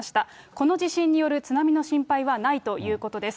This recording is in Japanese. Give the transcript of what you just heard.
この地震による津波の心配はないということです。